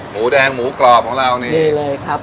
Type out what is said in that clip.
หมูแดงหมูกรอบของเรานี่ดีเลยครับ